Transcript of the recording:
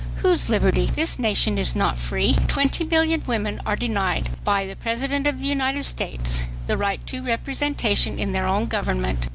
WHOSE LIBERTY? THIS NATION IS NOT FREE. TWENTY MILLION WOMEN ARE DENIED BY THE PRESIDENT OF THE UNITED STATES THE RIGHT TO REPRESENTATION IN THEIR OWN GOVERNMENT.